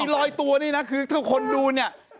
ลอยตัวนี่นะคือถ้าคนดูเนี่ย